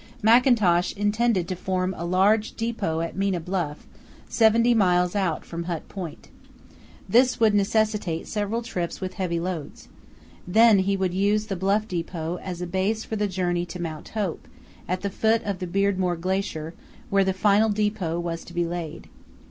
Mackintosh intended to form a large depot off Minna Bluff, seventy miles out from Hut Point. This would necessitate several trips with heavy loads. Then he would use the Bluff depot as a base for the journey to Mount Hope, at the foot of the Beardmore Glacier, where the final depot was to be laid.